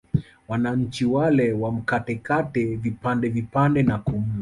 Wananchi wale wamkatekate vipande vipande na kumla